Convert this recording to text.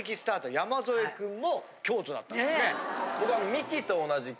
山添君も京都だったんですね？